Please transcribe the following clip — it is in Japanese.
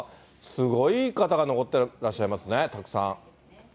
すごい方々が残ってらっしゃいますね、たくさん。